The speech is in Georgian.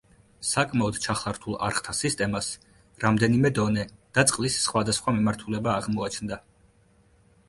საკმაოდ ჩახლართულ არხთა სისტემას რამდენიმე დონე და წყლის სხვადასხვა მიმართულება აღმოაჩნდა.